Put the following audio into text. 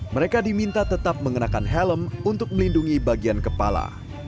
mereka diminta tetap mengenakan helm untuk melindungi bagian kepala